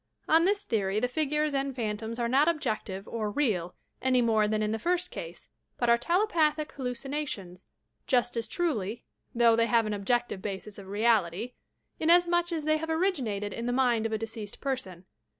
On this theory the 6giircs and phantoms are not objective or real any more than in the first case, but are telepathic hallucinations, just as truly, though they have an objective basis of reality, inasmuch as they have originated in the mind of a deceased person.